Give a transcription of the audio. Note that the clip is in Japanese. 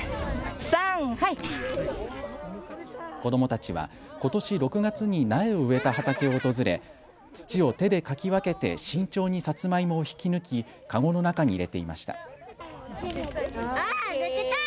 子どもたちはことし６月に苗を植えた畑を訪れ、土を手でかき分けて慎重にさつまいもを引き抜きかごの中に入れていました。